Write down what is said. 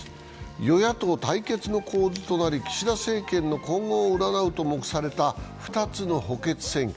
与野党対決の構図となり岸田政権の今後を占うと目された２つの補欠選挙。